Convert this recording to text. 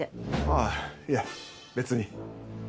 ああいや別に。